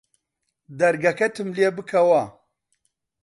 دەرگەکەتم لێ بکەوە